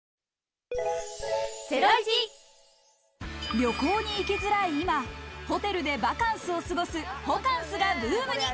旅行に行きづらい今、ホテルでバカンスを過ごすホカンスがブームに。